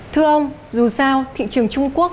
thưa ông dù sao thị trường trung quốc